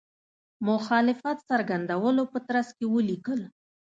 مخالفت څرګندولو په ترڅ کې ولیکل.